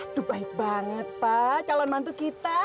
itu baik banget pak calon mantu kita